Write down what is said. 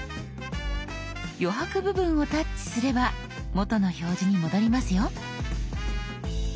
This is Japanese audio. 余白部分をタッチすれば元の表示に戻りますよ。